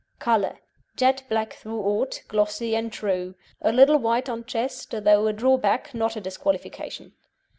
COLOUR Jet black throughout, glossy and true. A little white on chest, though a drawback, not a disqualification.